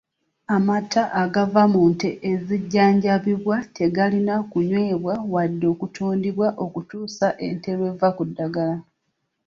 Amata agava mu nte ezijjanjabibwa tegalina kunywebwa wadde okutundibwa okutuusa ente lw’eva ku ddagala.